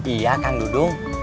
iya kan dudung